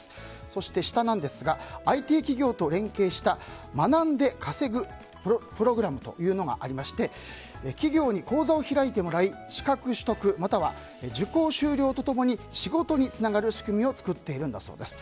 そして、下ですがＩＴ企業と連携した学んで稼ぐプログラムというのがありまして企業に講座を開いてもらい資格取得または受講修了とともに仕事につながる仕組みを作っているんだそうです。